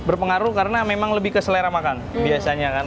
berpengaruh karena memang lebih ke selera makan biasanya kan